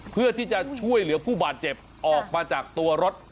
เพื่อที่จะช่วยเหลือผู้บาดเจ็บออกมาจากตัวรถ